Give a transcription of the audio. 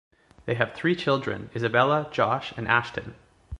They have three children: Isabella, Josh and Ashton.